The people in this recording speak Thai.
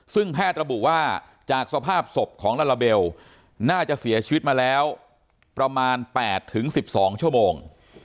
ซึ่งแพทย์ระบุว่าจากสภาพศพของลาลาเบลน่าจะเสียชีวิตมาแล้วประมาณ๘๑๒ชั่วโมง